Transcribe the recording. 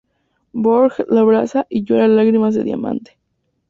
Björk le abraza y llora lágrimas de diamante.